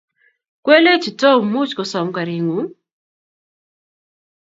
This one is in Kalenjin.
kwelechi tom muuch kosom garit ng'uu